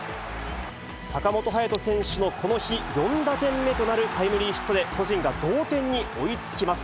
坂本勇人選手のこの日、４打点目となるタイムリーヒットで、巨人が同点に追いつきます。